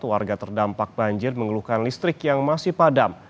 warga terdampak banjir mengeluhkan listrik yang masih padam